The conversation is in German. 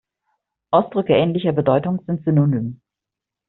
Ausdrücke ähnlicher Bedeutung sind synonym.